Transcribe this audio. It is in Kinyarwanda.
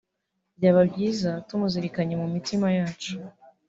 Byaba byiza tumuzirikanye mu mitima yacu